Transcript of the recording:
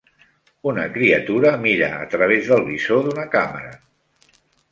Una criatura mira a través del visor d'una càmera.